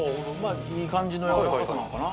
いい感じのやわらかさなのかな。